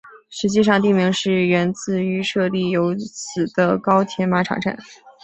实际上地名是源自于设立于此的高田马场站。